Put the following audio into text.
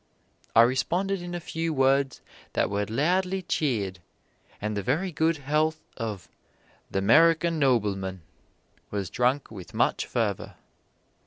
I responded in a few words that were loudly cheered, and the very good health of "the 'Merican Nobleman" was drunk with much fervor.